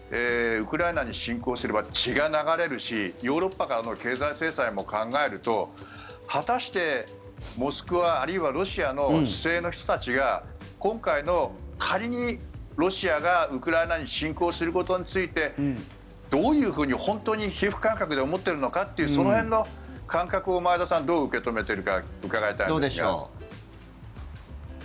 ウクライナに侵攻すれば血が流れるしヨーロッパからの経済制裁も考えると果たして、モスクワあるいはロシアの市井の人たちが今回の仮にロシアがウクライナに侵攻することについてどういうふうに本当に皮膚感覚で思っているのかという感覚を受け止めているのかお聞きしたい。